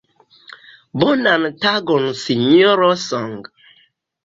Bonan tagon Sinjoro Song.